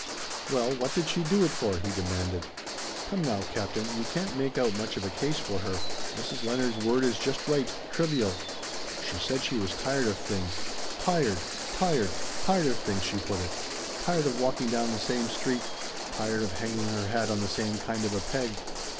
"Well, what did she do it for?" he demanded. "Come now, Captain, you can't make out much of a case for her. Mrs. Leonard's word is just right trivial. She said she was tired of things. Tired tired tired of things, she put it. Tired of walking down the same street. Tired of hanging her hat on the same kind of a peg!